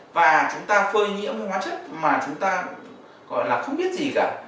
và chúng ta phơi nhiễm hóa chất mà chúng ta gọi là không biết gì cả